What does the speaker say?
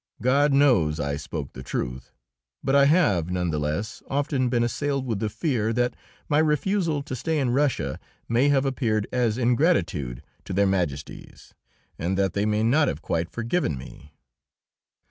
God knows I spoke the truth, but I have, none the less, often been assailed with the fear that my refusal to stay in Russia may have appeared as ingratitude to Their Majesties, and that they may not have quite forgiven me.